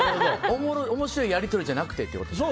面白いやり取りじゃなくてってことですね。